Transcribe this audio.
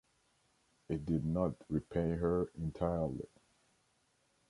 It did not repay her entirely.